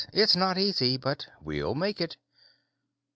"It's not easy, but we'll make it."